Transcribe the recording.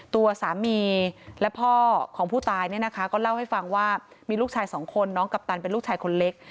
ตัวสามีและพ่อของผู้ตายเนี่ยนะคะก็เล่าให้ฟังว่ามีลูกชายสองคนน้องกัปตันเป็นลูกชายคนเล็ก